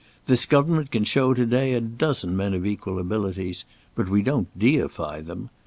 This government can show to day a dozen men of equal abilities, but we don't deify them.